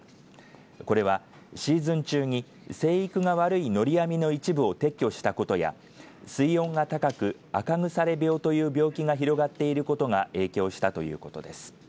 これはシーズン中に生育が悪いのり網の一部を撤去したことや水温が高く赤腐れ病という病気が広がっていることが影響したということです。